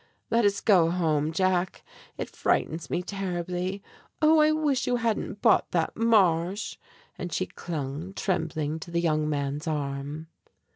Let us go home, Jack, it frightens me terribly. Oh, I wish you hadn't bought that Marsh!" and she clung trembling to the young man's arm.